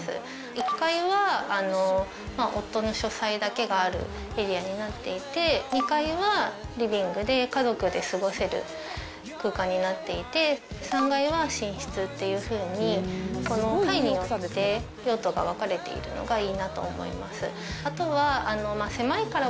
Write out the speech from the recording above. １階は夫の書斎だけがあるエリアになっていて２階はリビングで家族で過ごせる空間になっていて３階は寝室っていうふうに階によって用途が分かれているのがいいなと思います。